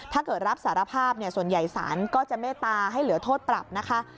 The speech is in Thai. ถ้าเกิดรับสารภาพส่วนใหญ่ศาลก็จะเมตตาให้เหลือโทษปรับนะคะ